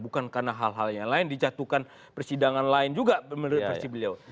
bukan karena hal hal yang lain dijatuhkan persidangan lain juga menurut versi beliau